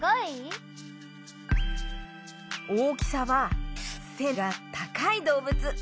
大きさはせがたかいどうぶつ。